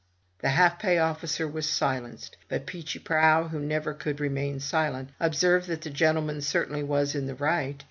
The half pay officer was silenced; but Peechy Prauw, who never could remain silent, observed that the gentleman certainly was in the right.